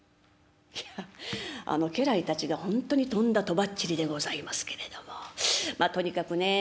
いや家来たちが本当にとんだとばっちりでございますけれどもまあとにかくねえ